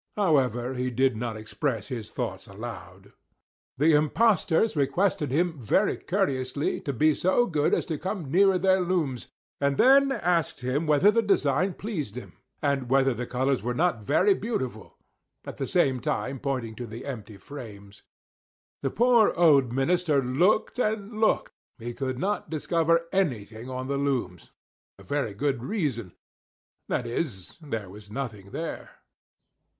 However, he did not express his thoughts aloud. The impostors requested him very courteously to be so good as to come nearer their looms; and then asked him whether the design pleased him, and whether the colors were not very beautiful; at the same time pointing to the empty frames. The poor old minister looked and looked, he could not discover anything on the looms, for a very good reason, viz: there was nothing there.